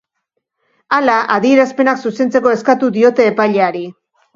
Hala, adierazpenak zuzentzeko eskatu diote epaileari.